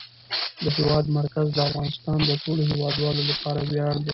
د هېواد مرکز د افغانستان د ټولو هیوادوالو لپاره ویاړ دی.